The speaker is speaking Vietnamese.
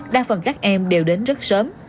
đa phần các em đều đến rất sớm